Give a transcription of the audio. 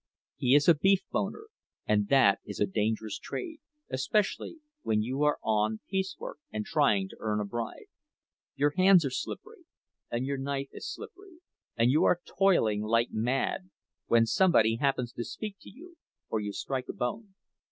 He is a beef boner, and that is a dangerous trade, especially when you are on piecework and trying to earn a bride. Your hands are slippery, and your knife is slippery, and you are toiling like mad, when somebody happens to speak to you, or you strike a bone.